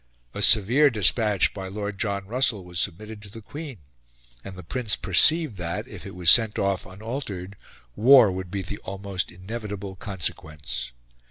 A severe despatch by Lord John Russell was submitted to the Queen; and the Prince perceived that, if it was sent off unaltered, war would be the almost inevitable consequence.